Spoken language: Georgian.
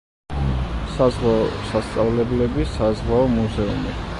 საზღვაო სასწავლებლები, საზღვაო მუზეუმი.